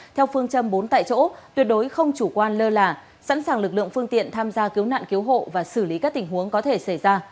theo phương châm bốn tại chỗ tuyệt đối không chủ quan lơ là sẵn sàng lực lượng phương tiện tham gia cứu nạn cứu hộ và xử lý các tình huống có thể xảy ra